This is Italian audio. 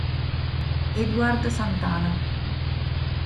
Edward Santana